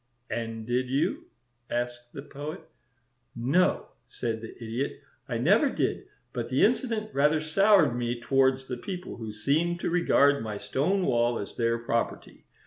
"And did you?" asked the Poet. "No," said the Idiot, "I never did; but the incident rather soured me towards the people who seemed to regard my stone wall as their property.